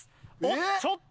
おっ！